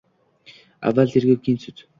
Avval tergov, keyin sud